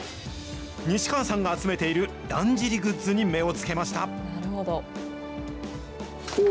西川さんが集めているだんじりグッズに目をつけました。